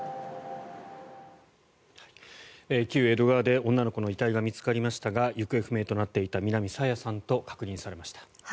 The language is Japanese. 旧江戸川で女の子の遺体が見つかりましたが行方不明となっていた南朝芽さんと確認されました。